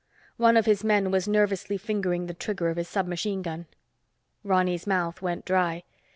One of his men was nervously fingering the trigger of his submachine gun. Ronny's mouth went dry.